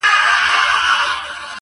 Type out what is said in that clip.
په نازونو په نخرو به ورپسې سو.!